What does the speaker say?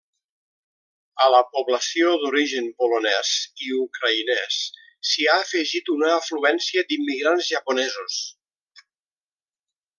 A la població d'origen polonès i ucraïnès s'hi ha afegit una afluència d'immigrants japonesos.